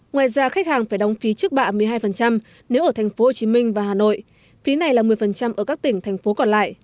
ngoài ra khách hàng phải đóng phí trước bạ một mươi hai nếu ở tp hcm và hà nội phí này là một mươi ở các tỉnh thành phố còn lại